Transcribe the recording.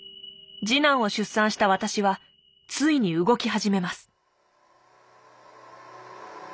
次男を出産した私はついに動き始めます。